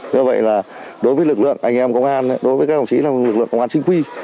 do vậy là đối với lực lượng anh em công an đối với các ông trí là lực lượng công an sinh quy